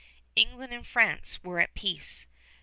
England and France were at peace.